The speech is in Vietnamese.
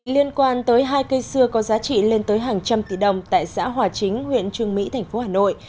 liên quan tới hai cây xưa có giá trị lên tới hàng trăm tỷ đồng tại xã hòa chính huyện trường mỹ tp hà nội